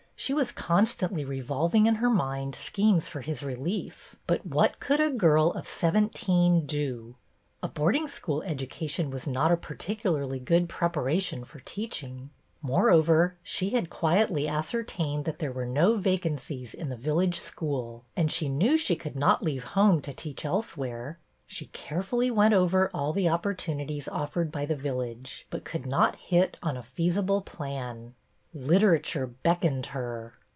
She was constantly revolving in her mind schemes for his relief ; but what could a girl of seventeen do ? A boarding school education was not a particularly good preparation for teaching. Moreover, she had quietly ascertained that there were no va cancies in the village school, and she knew she could not leave home to teach elsewhere. She carefully went over all the opportunities offered by the village, but could not hit on a feasible plan. Literature beckoned her!